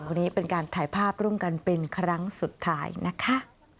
วันนี้เป็นการถ่ายภาพร่วมกันเป็นครั้งสุดท้ายนะคะ